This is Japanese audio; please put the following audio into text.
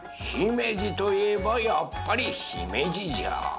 ひめじといえばやっぱりひめじじょう。